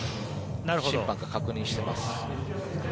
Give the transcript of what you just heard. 審判が確認しています。